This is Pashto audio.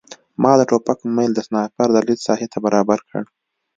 ما د ټوپک میل د سنایپر د لید ساحې ته برابر کړ